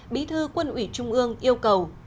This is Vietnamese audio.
bí thư quân ủy trung ương yêu cầu